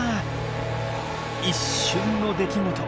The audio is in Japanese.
一瞬の出来事。